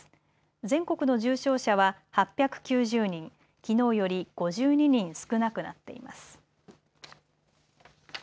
全国の重症者は８９０人、きのうより５２人少なくなっています。